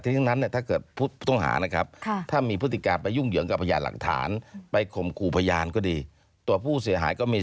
แล้วถ้าสมมุติตอนนี้นะฮะ